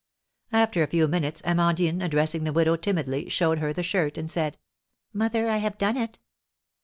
After a few minutes Amandine, addressing the widow timidly, showed her the shirt, and said: "Mother, I have done it."